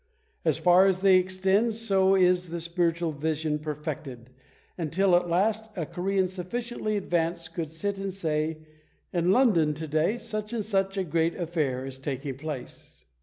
As far as they extend so is the spiritual vision perfected, until at last a Korean sufficiently advanced could sit and say, "In London, to day, such and such a great affair is taking place."